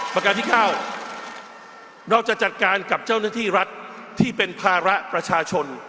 ประการที่๙เราจะจัดการกับเจ้าหน้าที่รัฐที่เป็นภาระประชาชน